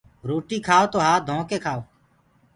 روٽي ڪآئو تو هآت ڌو ڪي کآئو